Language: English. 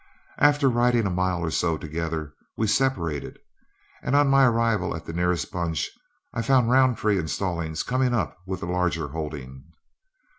After riding a mile or so together, we separated, and on my arrival at the nearest bunch, I found Roundtree and Stallings coming up with the larger holding.